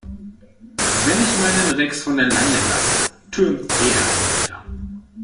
Wenn ich meinen Rex von der Leine lasse, türmt jeder Einbrecher.